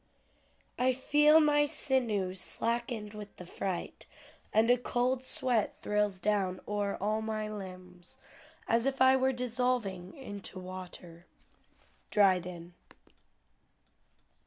"I feel my sinews slackened with the fright, And a cold sweat thrills down o'er all my limbs As if I were dissolving into water." DRYDEN.